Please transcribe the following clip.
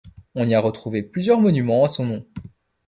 On y a retrouvé plusieurs monuments à son nom.